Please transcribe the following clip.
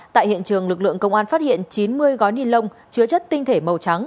tại hiện trường lực lượng công an phát hiện chín mươi gói nilông chứa chất tinh thể màu trắng